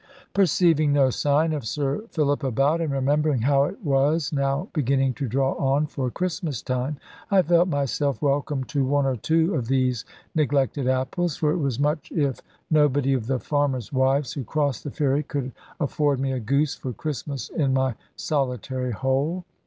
Perceiving no sign of Sir Philip about, and remembering how it was now beginning to draw on for Christmas time, I felt myself welcome to one or two of these neglected apples; for it was much if nobody of the farmers' wives who crossed the ferry could afford me a goose for Christmas in my solitary hole.